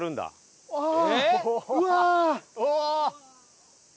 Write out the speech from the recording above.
うわ！